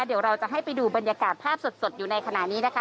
เดี๋ยวเราจะให้ไปดูบรรยากาศภาพสดอยู่ในขณะนี้นะคะ